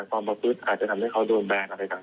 แล้วก็มาก่อเหตุอย่างที่คุณผู้ชมเห็นในคลิปนะคะ